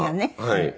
はい。